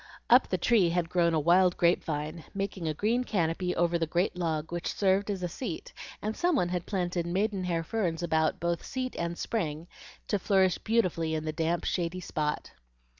Up the tree had grown a wild grape vine, making a green canopy over the great log which served as a seat, and some one had planted maidenhair ferns about both seat and spring to flourish beautifully in the damp, shady spot.